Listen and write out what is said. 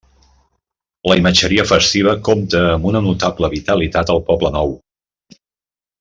La imatgeria festiva compta amb una notable vitalitat al Poblenou.